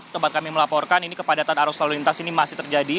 tempat kami melaporkan ini kepadatan arus lalu lintas ini masih terjadi